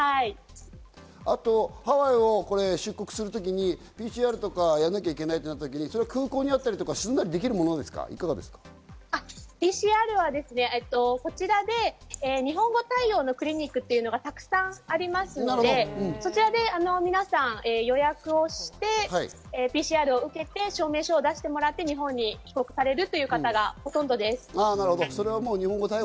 あと、ハワイを出国するときにＰＣＲとかやらなきゃいけないとなったとき、空港にあったりして、ＰＣＲはこちらで日本語対応のクリニックがたくさんありますので、そちらで皆さん予約をして、ＰＣＲを受けて証明書を出してもらって日本に帰国されるという方がほとんどです。